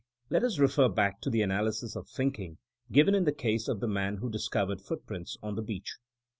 Let us refer back to the analysis of thinking given in the case of the man who discovered footprints on the beach.